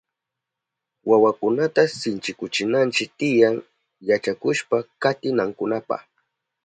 Wawakunata sinchikuchinanchi tiyan yachakushpa katinankunapa.